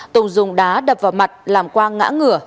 tùng dùng đá đập vào mặt làm quang ngã ngửa